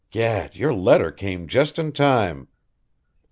Gad, your letter came just in time!"